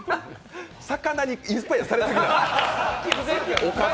魚にインスパイアされすぎや。